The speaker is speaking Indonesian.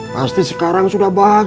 pasti sekarang sudah bahagia